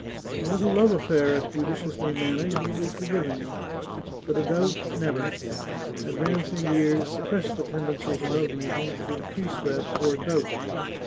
A little love afTair, if ju diciously managed, will be forgiven you, but a doubt, never ! Advancing years suppress the tendency to love making and increase that toward doubt.